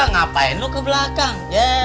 ngapain lu ke belakang